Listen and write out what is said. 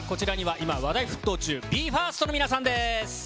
今、話題沸騰中、ＢＥ：ＦＩＲＳＴの皆さんです。